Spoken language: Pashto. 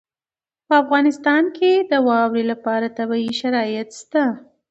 په افغانستان کې د واورې لپاره طبیعي شرایط شته.